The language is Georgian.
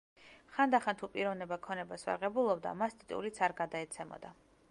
ხანდახან თუ პიროვნება ქონებას ვერ ღებულობდა მას ტიტულიც არ გადაეცემოდა.